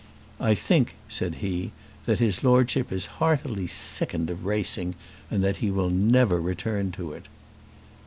"I think," said he, "that his Lordship is heartily sickened of racing, and that he will never return to it."